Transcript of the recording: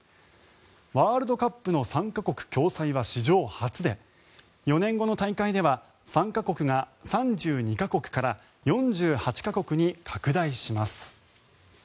ワールドカップの参加国共催は史上初で４年後の大会では参加国が３２か国から４８か国に拡大します。